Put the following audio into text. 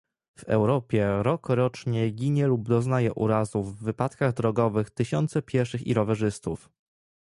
W Europie rokrocznie ginie lub doznaje urazów w wypadkach drogowych tysiące pieszych i rowerzystów